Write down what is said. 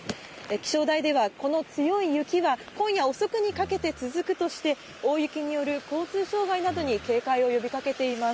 気象台では、この強い雪が今夜遅くにかけて続くとして、大雪による交通障害などに警戒を呼びかけています。